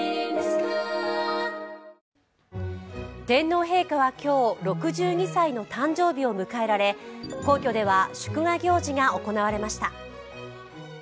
天皇陛下は今日６２歳の誕生日を迎えられ皇居では祝賀行事が行われました。